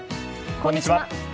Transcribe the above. こんにちは。